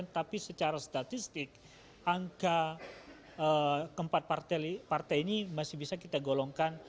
tapi secara statistik angka keempat partai ini masih bisa kita golongkan